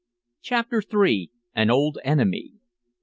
CHAPTER III. AN OLD ENEMY.